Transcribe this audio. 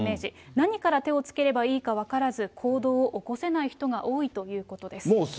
何から手をつければいいか分からず、行動を起こせない人が多いということです。